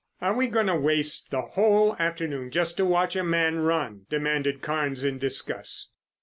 "Are we going to waste the whole afternoon just to watch a man run?" demanded Carnes in disgust.